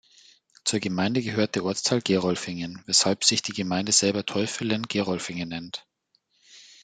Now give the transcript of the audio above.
Zur Gemeinde gehört der Ortsteil "Gerolfingen", weshalb sich die Gemeinde selber "Täuffelen-Gerolfingen" nennt.